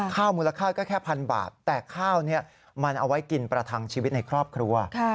มูลค่าก็แค่พันบาทแต่ข้าวนี้มันเอาไว้กินประทังชีวิตในครอบครัว